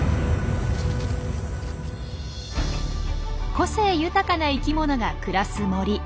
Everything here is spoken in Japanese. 個性豊かな生きものが暮らす森。